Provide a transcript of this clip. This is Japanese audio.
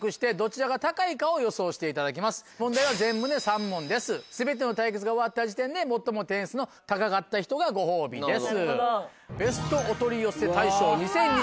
問題は全部で３問です全ての対決が終わった時点で最も点数の高かった人がご褒美です。